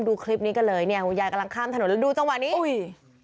ดูคลิปนี้กันเลยเนี่ยคุณยายกำลังข้ามถนนแล้วดูจังหวะนี้อุ้ย